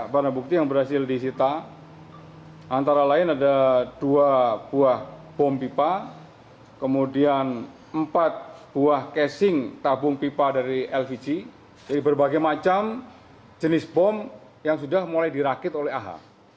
buah casing tabung pipa dari lvg jadi berbagai macam jenis bom yang sudah mulai dirakit oleh ah